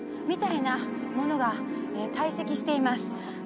みたいなものが堆積しています